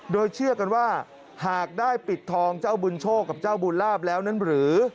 โดยเชื่อกันว่าหากได้ปิดทองเจ้าบุญโชคกับเจ้าบุญลาบแล้วนั้นหรือ